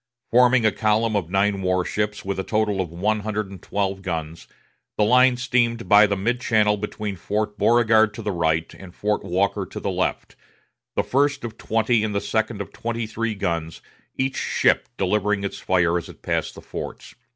Forming a column of nine war ships with a total of one hundred and twelve guns, the line steamed by the mid channel between Fort Beauregard to the right, and Fort Walker to the left, the first of twenty and the second of twenty three guns, each ship delivering its fire as it passed the forts.